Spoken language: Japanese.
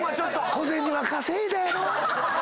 小銭は稼いだやろ？